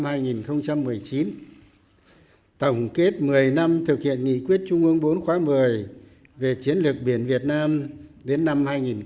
tổng kết một mươi năm thực hiện nghị quyết trung ương bốn khóa một mươi về chiến lược biển việt nam đến năm hai nghìn hai mươi